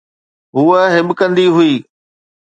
هوءَ هٻڪندي هئي.